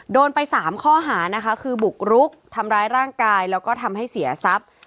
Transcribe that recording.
โดนไป๓ข้อหานะคะคือบุกรุกทำร้ายร่างกายแล้วก็ทำให้เสียทรัพย์